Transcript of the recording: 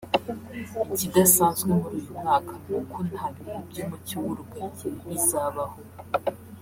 Ikidasanzwe muri uyu mwaka ni uko nta bihe by’umucyo w’urugaryi bizabaho